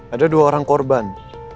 ada dua orang korban